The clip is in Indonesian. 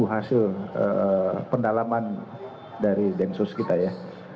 menunggu hasil pendalaman dari dengsus kita ya